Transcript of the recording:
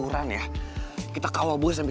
mending kita berdoa aja ya